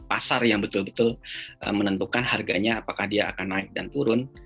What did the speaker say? pasar yang betul betul menentukan harganya apakah dia akan naik dan turun